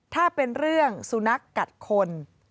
ถ้าเป็นเรื่องสุนัขกัดคน